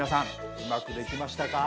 うまくできましたか？